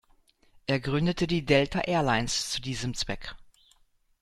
Er gründete die Delta Airlines zu diesem Zweck.